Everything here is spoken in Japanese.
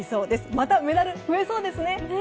またメダル増えそうですね！